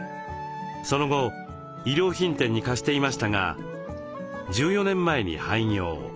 その後衣料品店に貸していましたが１４年前に廃業。